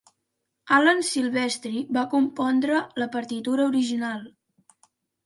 Alan Silvestri va compondre la partitura original.